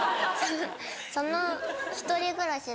その１人暮らし